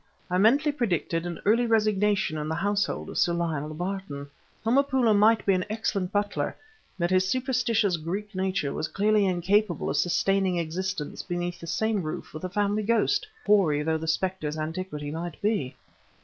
I mentally predicted an early resignation in the household of Sir Lionel Barton. Homopoulo might be an excellent butler, but his superstitious Greek nature was clearly incapable of sustaining existence beneath the same roof with a family ghost, hoary though the specter's antiquity might be.